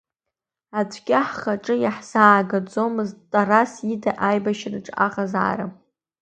Аӡәгьы ҳхаҿы иаҳзаагаӡомызт Тарас ида аибашьраҿы аҟазаара…